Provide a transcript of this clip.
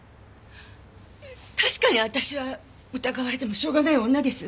確かに私は疑われてもしょうがない女です。